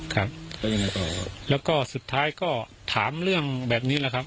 ครับแล้วก็สุดท้ายก็ถามเรื่องแบบนี้แหละครับ